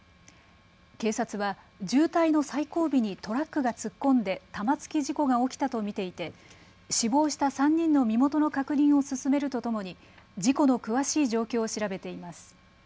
警察は渋滞の最後尾にトラックが突っ込んで玉突き事故が起きたと見ていて死亡した３人の身元の確認を進めるとともに事故の詳しい状況を調べています。